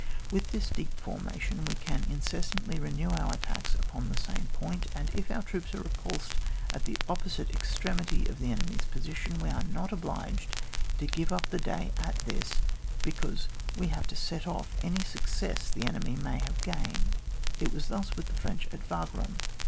With this deep formation we can incessantly renew our attacks upon the same point, and if our troops are repulsed at the opposite extremity of the en^ny's position, we are not obliged to give up the day at this, be cause we have a set off to any success the enemy may have gained. It was thus with the French at Wagram.